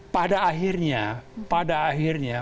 pada akhirnya pada akhirnya